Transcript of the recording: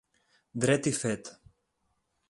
Dret i fet.